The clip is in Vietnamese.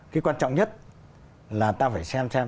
cái quan trọng nhất là ta phải xem xem